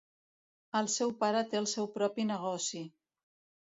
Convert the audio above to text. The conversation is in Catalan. El seu pare té el seu propi negoci.